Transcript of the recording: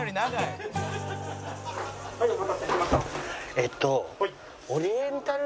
えっと。